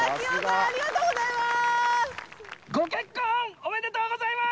ありがとうございます。